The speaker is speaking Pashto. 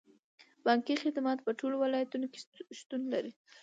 بانکي خدمات په ټولو ولایتونو کې شتون لري.